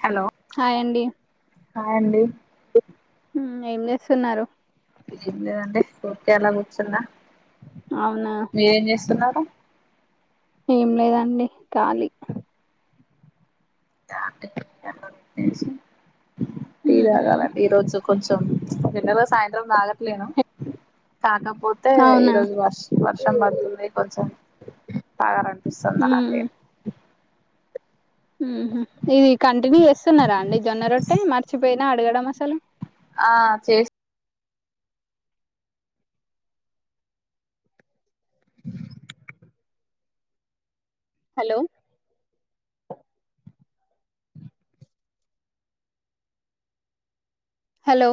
hello hi అండి hi అండి ఉమ్ ఏం చేస్తున్నారు ఏం లేదండి ఉర్కే అలా కూర్చున్న అవునా మీరేం చేస్తున్నారు ఏం లేదండి కాలి టీ ఉమ్ తాగాలండి ఈ రోజు కొంచం ఎన్నర సాయంత్రం నాగట్నా కాకపోతే అవునా ఈరోజు వర్ష వర్షం పడుతుంది కొంచం తాగారంపిస్తుంద అటే మ్ హూ ఇది కంటిన్యూ చేస్తున్నారా అండి జొన్న రొట్టె మర్చిపోయినా అడగడం అసలు ఆ చేస్ హలో హలో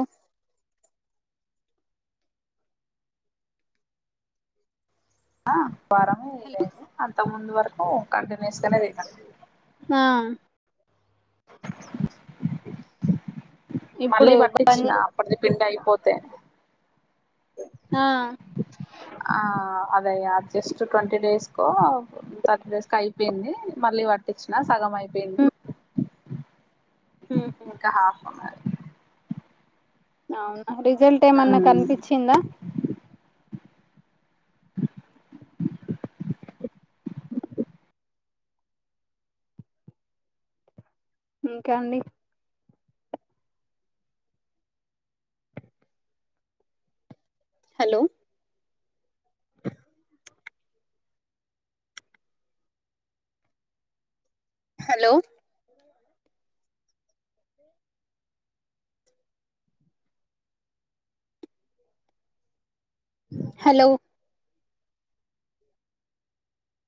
ఆ వారము ఇది ఏంటి అంతకు ముందు వరకు కంటిన్యూస్ గానేతిన్న ఆ ఇప్పుడు మళ్ళీ బంద్ పట్టించిన చే అప్పటిది పిండి అయిపోతే ఆ ఆ అదయ జస్ట్ ట్వంటీ డేస్ కో థర్టీ డేస్ కో అయిపోయింది మళ్ళీ వర్క్ ఇచ్చినారు సగం అయిపోయింది ఉమ్ ఉమ్ ఇంకా హాఫ్ ఉన్నది అవునా రిజల్ట్ ఏమన్నా కనిపించిందా ఇంకా అండి హలో హలో హలో